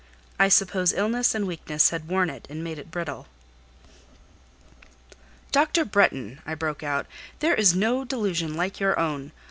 I suppose illness and weakness had worn it and made it brittle. "Dr. Bretton," I broke out, "there is no delusion like your own.